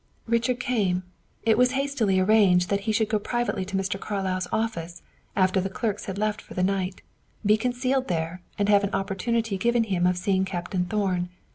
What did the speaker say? "Richard came. It was hastily arranged that he should go privately to Mr. Carlyle's office, after the clerks had left for the night, be concealed there, and have an opportunity given him of seeing Captain Thorn.